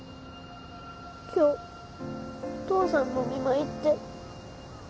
今日お父さんのお見舞い行って